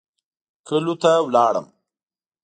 کلیو ته لاړم.